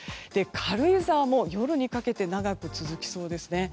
軽井沢も夜にかけて長く続きそうですね。